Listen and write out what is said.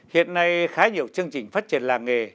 hiện nay khá nhiều chương trình phát triển làng nghề